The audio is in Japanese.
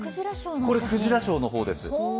これ、クジラショーの方です。